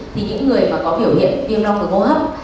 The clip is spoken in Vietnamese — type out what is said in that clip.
thì những người mà có biểu hiện viêm long được ô hấp